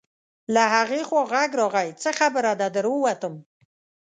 له هغې خوا غږ راغی: څه خبره ده، در ووتم.